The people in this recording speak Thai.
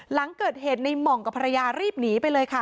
หลังเกิดเหตุในหม่องกับภรรยารีบหนีไปเลยค่ะ